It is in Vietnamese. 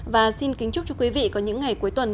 và xin kính chúc cho quý vị có những ngày cuối tuần